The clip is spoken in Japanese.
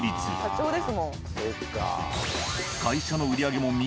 社長ですもん。